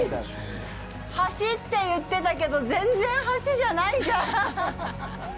橋って言ってたけど全然橋じゃないじゃん。